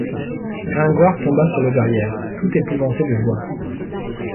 Gringoire tomba sur le derrière, tout épouvanté de joie.